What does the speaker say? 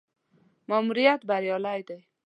ماموریت بریالی دی.